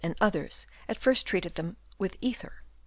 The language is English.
and others at first treated them with ether.